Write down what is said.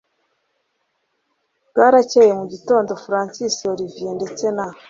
bwarakeye mugitondo francis olivier ndetse na